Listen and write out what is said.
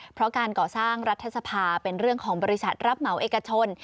เป็นเรื่องของบริษัทรับเหมาเอกชน